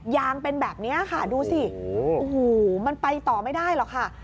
ยางเป็นแบบนี้ค่ะดูสิโอ้โหมันไปต่อไม่ได้หรอกค่ะ